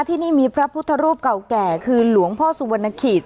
ที่นี่มีพระพุทธรูปเก่าแก่คือหลวงพ่อสุวรรณขีด